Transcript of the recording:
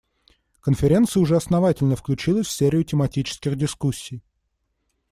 Конференция уже основательно включилась в серию тематических дискуссий.